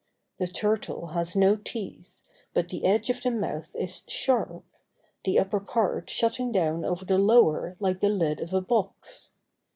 The turtle has no teeth, but the edge of the mouth is sharp, the upper part shutting down over the lower like the lid of a box.